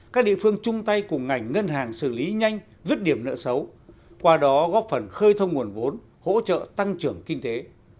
các địa phương chung tay cùng ngành ngân hàng xử lý nhanh dứt điểm nợ xấu qua đó góp phần khơi thông nguồn vốn hỗ trợ tăng trưởng kinh tế